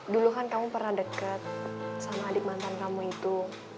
duluan kamu pernah deket sama adik mantan kamu itu